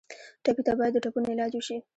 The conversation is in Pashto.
ټپي ته باید د ټپونو علاج وشي.